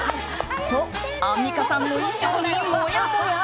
アンミカさんの衣装にもやもや。